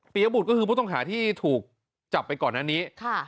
ยบุตรก็คือผู้ต้องหาที่ถูกจับไปก่อนอันนี้